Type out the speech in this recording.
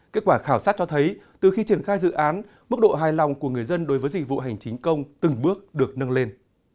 kết quả khảo sát cho thấy từ khi triển khai dự án mức độ hài lòng của người dân đối với dịch vụ hành chính công từng bước được nâng lên